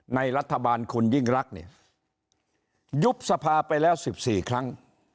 ในรัฐบาลคุณยิ่งรักเนี่ยยุบสภาไปแล้ว๑๔ครั้ง